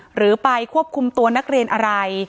หรือไปควบคุมตัวนักเรียนอะไร